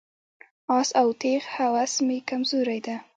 آس او تیغ هوس مې کمزوري ده.